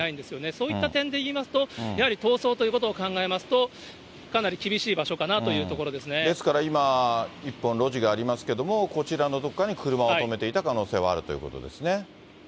そういった点で言いますと、やはり逃走ということを考えると、かなり厳しい場所かなということですから今、一本路地がありますけれども、こちらのどこかに車を止めていた可能性があるということですかね。